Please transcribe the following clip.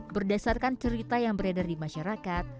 berdasarkan cerita yang beredar di masyarakat